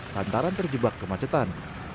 lantaran terjebak kemacetan